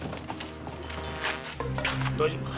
大丈夫か？